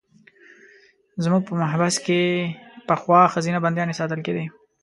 زموږ په محبس کې پخوا ښځینه بندیانې ساتل کېدې.